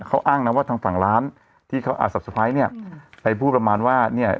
เขาอ้างนะว่าทางฝั่งร้านที่เขาเนี่ยไปพูดประมาณว่าเนี่ย